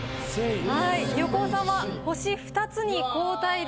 横尾さんは星２つに後退です。